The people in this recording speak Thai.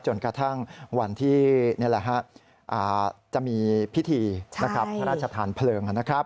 จนกระทั่งวันที่จะมีพิธีพระราชทานเพลิงนะครับ